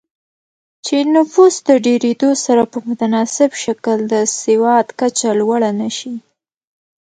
چې نفوس د ډېرېدو سره په متناسب شکل د سواد کچه لوړه نه شي